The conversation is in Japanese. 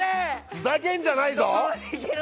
ふざけんじゃないぞ！